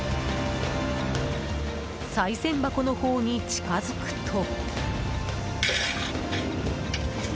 さい銭箱のほうに近づくと。